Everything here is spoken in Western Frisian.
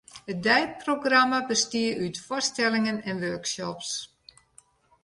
It deiprogramma bestie út foarstellingen en workshops.